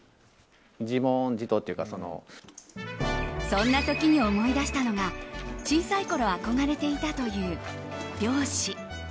そんな時に思い出したのが小さいころ憧れていたという漁師。